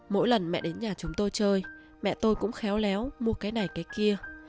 mỗi lần mẹ đến nhà chúng tôi chơi mẹ tôi cũng khéo léo mua cái này cái kia